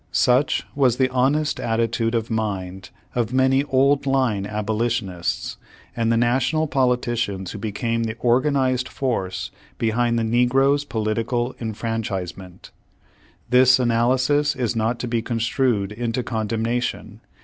Such was the honest atti tude of mind of many old line abolitionists, and the national politicians who became the organized force behind the negro's political enfranchise ment. This analysis is not to be construed into condemnation.